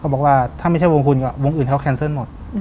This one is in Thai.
บอกว่าถ้าไม่ใช่วงคุณก็วงอื่นเขาแคนเซิลหมด